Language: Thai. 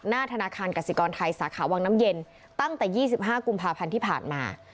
หน้าธนาคารกสิกรไทยสาขาวังน้ำเย็นตั้งแต่๒๕กุมภาพันธ์ที่ผ่านมา